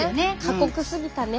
過酷すぎたね。